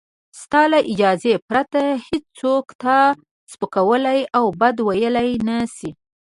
ستا له اجازې پرته هېڅوک تا سپکولای او بد ویلای نشي.